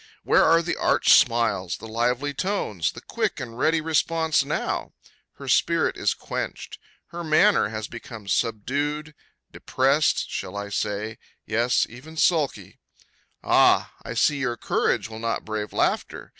Where are the arch smiles, the lively tones, the quick and ready responses now? Her spirit is quenched. Her manner has become subdued, depressed,—shall I say it?—yes, even sulky. Ah! I see your courage will not brave laughter.